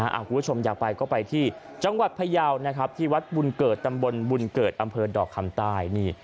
คุณผู้ชมอยากไปก็ไปที่จังหวัดพยาวนะครับที่วัดบุญเกิดตำบลบุญเกิดอำเภอดอกคำใต้